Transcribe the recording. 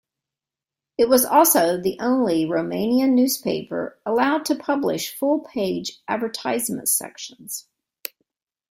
It was also the only Romanian newspaper allowed to publish full-page advertisement sections.